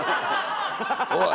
おい！